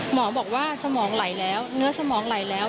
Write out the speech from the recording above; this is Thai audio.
หมอบอกว่าสมองไหลแล้วเนื้อสมองไหลแล้ว